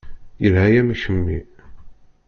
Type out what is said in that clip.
Yelha-yam i kemmi.